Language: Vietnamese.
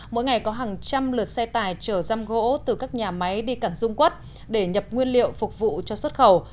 mỗi ngày có hàng trăm lượt xe tải chở răm gỗ từ các nhà máy đi cảng dung quốc để nhập nguyên liệu phục vụ cho xuất khẩu